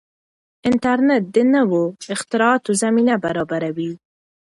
انټرنیټ د نویو اختراعاتو زمینه برابروي.